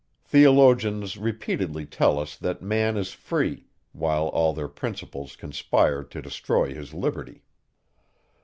Theologians repeatedly tell us, that man is free, while all their principles conspire to destroy his liberty.